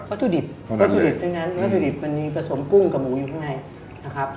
วัตถุดิบมันพรสมกุ้งกับหมูอยู่ข้างใน